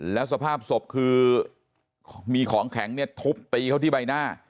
แล้วสภาพศพคือมีของแข็งเนี่ยทุบตีเขาที่ใบหน้า